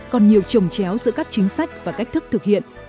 còn nhiều trồng chéo giữa các chính sách và cách thức thực hiện